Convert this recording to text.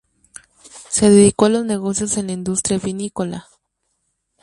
Se dedicó a los negocios en la industria vinícola.